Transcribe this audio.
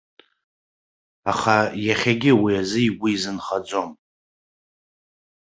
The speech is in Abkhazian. Аха иахьагьы уи азы игәы изынхаӡом.